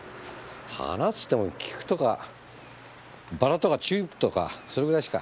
花っつっても菊とかバラとかチューリップとかそれぐらいしか。